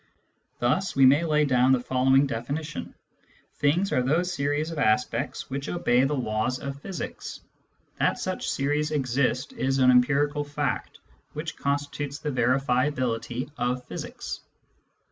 Thus we may lay down the following definition : Th ings are those series of aspects which obey fh a . la ws of physics. That such series exist is an empirical fact, which constitutes the verifiability of physics.